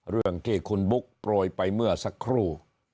เรื่องที่คุณบุ๊คโปรยไปเมื่อสักครู่